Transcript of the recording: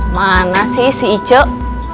mana sih si acek